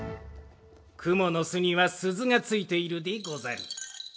くものすにはすずがついているでござる。